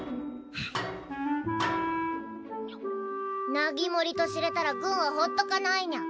ナギモリと知れたら軍はほっとかないニャ。